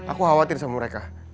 aku khawatir sama mereka